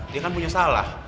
dia kan punya salah